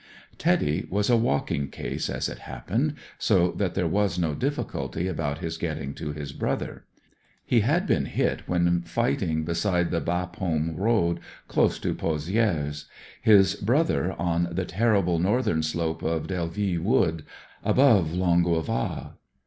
" Teddy " was a " walking case " as it happened) so that there was no diffi culty about his getting to his brother. He had been hit when fighting beside the Bapaume road, close to Pozi^res ; his brother, on the terrible northern slopes of Delville Wood, above Lon gueval.